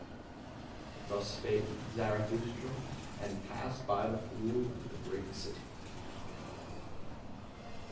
Thus spake Zarathustra, and passed by the fool and the great city.